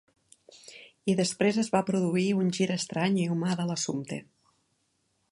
I després es va produir un gir estrany i humà de l'assumpte.